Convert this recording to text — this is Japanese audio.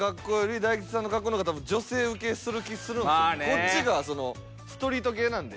こっちがストリート系なんで。